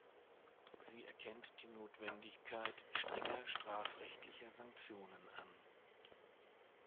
Sie erkennt die Notwendigkeit strenger strafrechtlicher Sanktionen an.